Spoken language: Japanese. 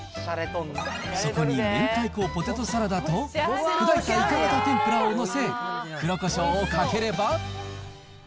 そこに明太子ポテトサラダと、砕いたいか形てんぷらを載せ、黒こしょうをかければ。